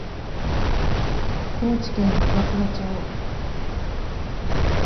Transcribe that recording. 高知県安田町